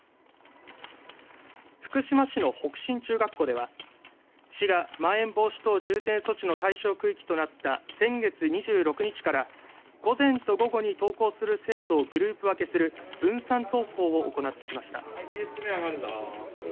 福島市の北信中学校では市が、まん延防止等重点措置の対象区域となった先月２６日から午前と午後に登校する生徒をグループ分けする分散登校を行ってきました。